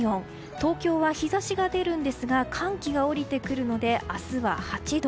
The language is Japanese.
東京は日差しが出るんですが寒気が下りてくるので明日は８度。